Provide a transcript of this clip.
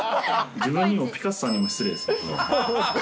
自分にもピカソにも失礼です。